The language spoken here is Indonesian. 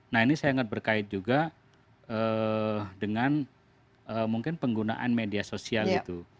nah ini saya ingat berkait juga dengan mungkin penggunaan media sosial itu